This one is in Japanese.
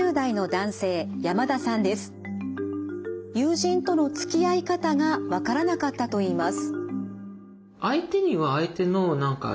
友人とのつきあい方が分からなかったといいます。